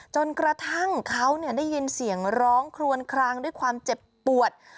จนกระทั่งเขาได้ยินเสียงร้องครวนคลางด้วยความเจ็บปวด